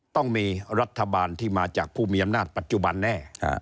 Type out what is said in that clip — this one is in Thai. ต้องมีรัฐบาลที่มาจากผู้มีอำนาจปัจจุบันแน่